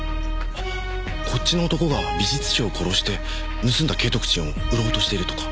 あっこっちの男が美術商を殺して盗んだ景徳鎮を売ろうとしているとか。